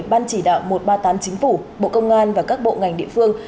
ban chỉ đạo một trăm ba mươi tám chính phủ bộ công an và các bộ ngành địa phương